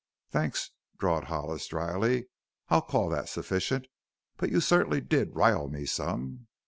"Thanks," drawled Hollis dryly; "I'll call that sufficient. But you certainly did 'rile' me some."